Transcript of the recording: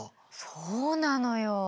そうなのよ。